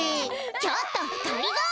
ちょっとがりぞー！